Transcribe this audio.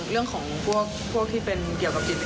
เรื่องของพวกที่เป็นเกี่ยวกับจิตศิษยา